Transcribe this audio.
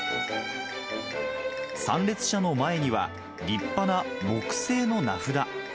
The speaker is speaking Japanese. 参列者の前には、立派な木製の名札。